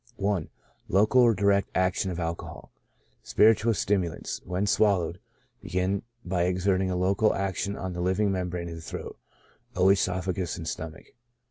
I. Local or direct action of Alcohol. — Spirituous stimulants, when swallowed, begin by exerting a local action on the lining membrane of the throat, oesophagus, and stomach.